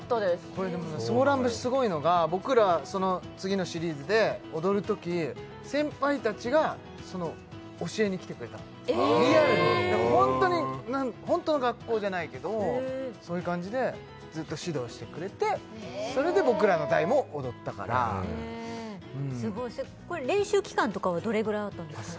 これでも「ソーラン節」すごいのが僕らその次のシリーズで踊る時先輩達が教えにきてくれたのえっ！？リアルにホントにホントの学校じゃないけどもそういう感じでずっと指導してくれてそれで僕らの代も踊ったからえすごいこれ練習期間とかはどれぐらいあったんですか？